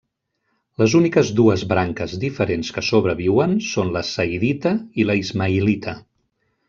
Les úniques dues branques diferents que sobreviuen són la zaidita i la ismaïlita.